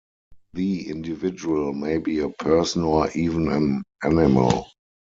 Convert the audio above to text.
The individual may be a person, or even an animal.